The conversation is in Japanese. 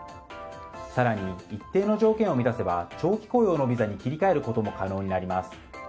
更に一定の条件を満たせば長期雇用のビザに切り替えることも可能になります。